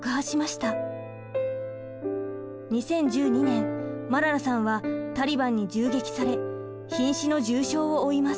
２０１２年マララさんはタリバンに銃撃されひん死の重傷を負います。